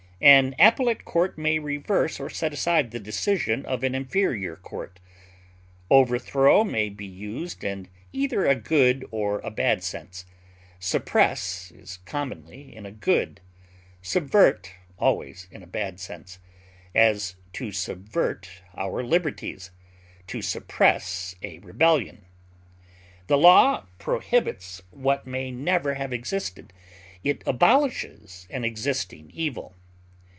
An appellate court may reverse or set aside the decision of an inferior court. Overthrow may be used in either a good or a bad sense; suppress is commonly in a good, subvert always in a bad sense; as, to subvert our liberties; to suppress a rebellion. The law prohibits what may never have existed; it abolishes an existing evil.